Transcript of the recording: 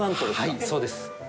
はい、そうです。